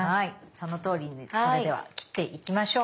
そのとおりにそれでは切っていきましょう。